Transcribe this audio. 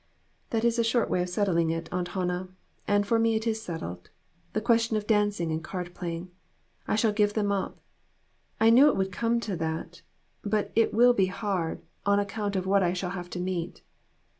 "That is a short way of settling it, Aunt Han nah, and for me it is settled the question of dancing and card playing. I shall give them up. I knew it would come to that ; but it will be hard, on account of what I shall have to meet."